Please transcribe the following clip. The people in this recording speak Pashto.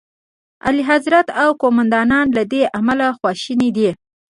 اعلیخضرت او قوماندان له دې امله خواشیني دي.